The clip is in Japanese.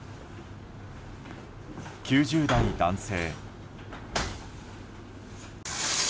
９０代男性。